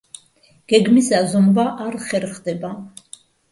გეგმის აზომვა არ ხერხდება.